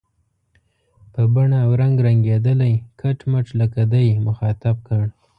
په بڼه او رنګ رنګېدلی، کټ مټ لکه دی، مخاطب کړ.